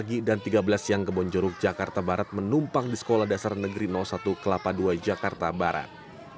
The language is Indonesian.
sekolah dasar sekolah dasar sekolah sepuluh pagi dan tiga belas siang ke bonjuruk jakarta barat menumpang di sekolah dasar negeri satu kelapa ii jakarta barat